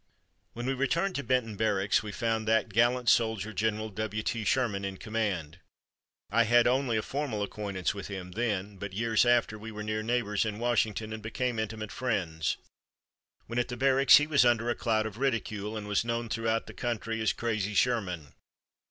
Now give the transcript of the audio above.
When we returned to Benton Barracks we found that gallant soldier General W. T. Sherman in command. I had only a formal acquaintance with him then, but years after we were near neighbors in Washington and became intimate friends. When at the Barracks he was under a cloud of ridicule, and was known throughout the country as "Crazy Sherman."